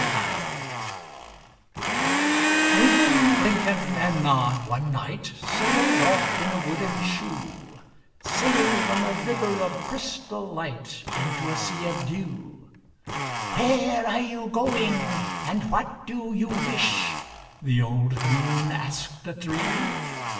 Wynken, Blynken, and Nod one night Sailed off in a wooden shoe,— Sailed on a river of crystal light Into a sea of dew. "Where are you going, and what do you wish?" The old moon asked the three.